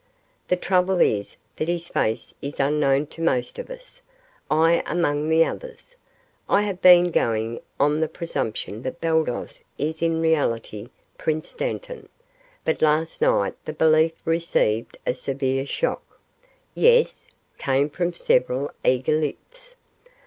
The trouble is that his face is unknown to most of us, I among the others. I have been going on the presumption that Baldos is in reality Prince Dantan. But last night the belief received a severe shock." "Yes?" came from several eager lips.